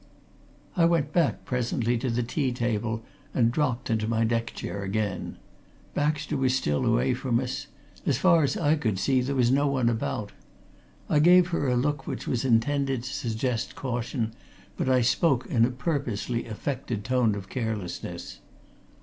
I went back, presently, to the tea table and dropped into my deck chair again. Baxter was still away from us; as far as I could see, there was no one about. I gave her a look which was intended to suggest caution, but I spoke in a purposely affected tone of carelessness.